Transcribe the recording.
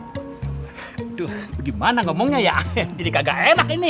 aduh gimana ngomongnya ya jadi kagak enak ini